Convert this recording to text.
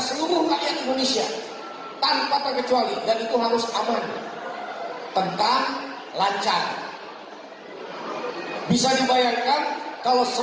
seluruh rakyat indonesia tanpa terkecuali dan itu harus aman tentang lancar bisa dibayangkan kalau